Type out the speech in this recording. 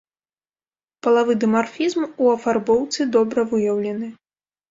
Палавы дымарфізм у афарбоўцы добра выяўлены.